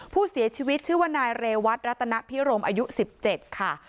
ผู้เสียชีวิตชื่อว่านายเรวัตรัตนพิรมอายุ๑๗ค่ะ